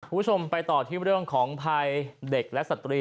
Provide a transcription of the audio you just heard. คุณผู้ชมไปต่อที่เรื่องของภัยเด็กและสตรี